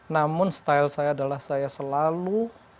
namun style saya adalah saya selalu